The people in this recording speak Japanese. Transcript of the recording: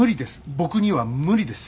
僕には無理です。